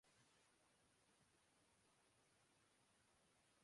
مصر دسمبرایجنسی ایک اداکارہ کے بوائے فرینڈ کو لیکر تنازعہ کھڑا ہو گیا ہے